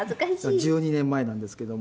「１２年前なんですけども。